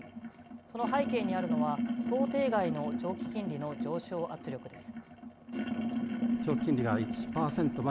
その背景にあるのは、想定外の長期金利の上昇圧力です。